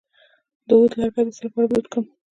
د عود لرګی د څه لپاره دود کړم؟